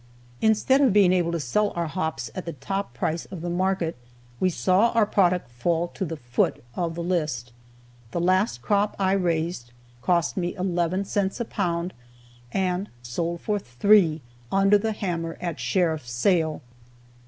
Instead of being able to sell our hops at the top price of the market, we saw our product fall to the foot of the list. The last crop I raised cost me eleven cents a pound and sold for three under the hammer at sheriff's sale.